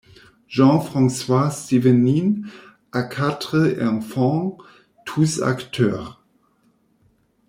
Jean-François Stévenin a quatre enfants, tous acteurs.